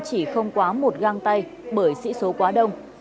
chỉ không quá một găng tay bởi sĩ số quá đông